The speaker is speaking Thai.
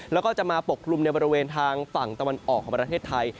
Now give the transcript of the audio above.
แล้วก็จะมาปกกลุ่มในบริเวณทางฝั่งตะวันออกของประเทศไทย